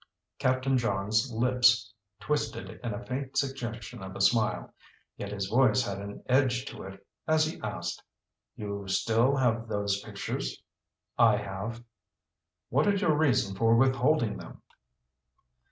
Captain Johns' lips twisted in a faint suggestion of a smile. Yet his voice had an edge to it as he asked: "You still have those pictures?" "I have." "What is your reason for withholding them?"